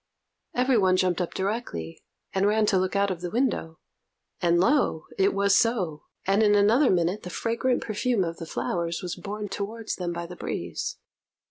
Every one jumped up directly, and ran to look out of the window, and, lo! it was so; and in another minute the fragrant perfume of the flowers was borne towards them by the breeze.